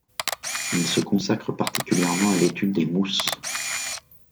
Il se consacre particulièrement à l’étude des mousses.